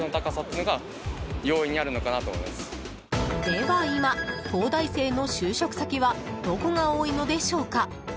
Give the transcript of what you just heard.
では今、東大生の就職先はどこが多いのでしょうか。